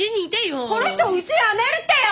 この人うち辞めるってよ！